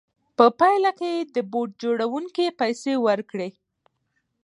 په پایله کې یې د بوټ جوړوونکي پیسې ورکړې